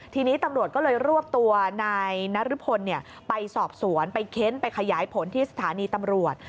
ทีนี้ตำรวจก็เลยรวบตัวนายนรพลไปสอบสวนไปเค้นไปขยายผลที่สถานีตำรวจ